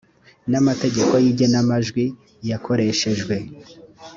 n amategeko y igenamajwi yakoreshejwe